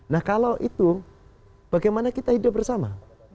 nah kalau itu bagaimana kita hidup bersama